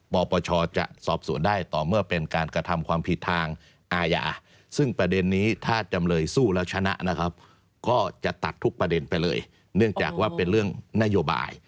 ปปชจะสอบสวนได้ต่อเมื่อเป็นการกระทำความผิดทางอาญา